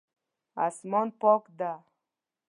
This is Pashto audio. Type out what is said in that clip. اسمان پاک ده